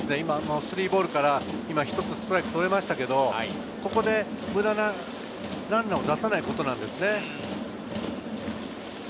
３ボールから、１つストライクを取りましたが、無駄なランナーを出さないことなんですよね。